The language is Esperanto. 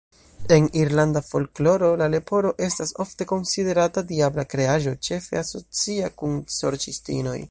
En irlanda folkloro la leporo estas ofte konsiderata diabla kreaĵo, ĉefe asocia kun sorĉistinoj.